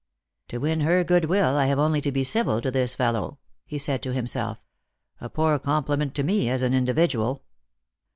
" To win her good will, I have only to be civil to this fellow," he said to himself. " A poor compliment to me, as an indi vidual."